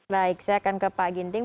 baik saya akan ke pak ginting